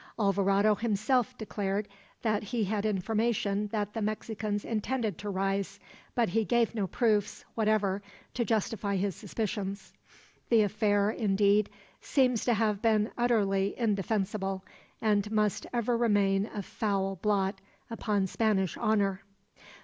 Alvarado himself declared that he had information that the Mexicans intended to rise, but he gave no proofs, whatever, to justify his suspicions. The affair, indeed, seems to have been utterly indefensible, and must ever remain a foul blot upon Spanish honor.